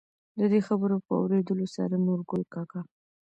د دې خبرو په اورېدلو سره نورګل کاکا،